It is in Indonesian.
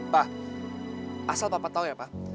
pa asal papa tahu ya pa